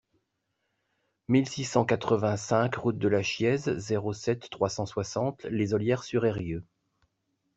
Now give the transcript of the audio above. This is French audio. mille six cent quatre-vingt-cinq route de la Chiéze, zéro sept, trois cent soixante, Les Ollières-sur-Eyrieux